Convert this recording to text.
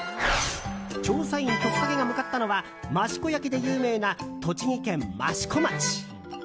調査員トクタケが向かったのは益子焼で有名な栃木県益子町。